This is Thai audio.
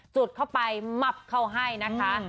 จุดเข้าไปมับเข้าให้นะคะ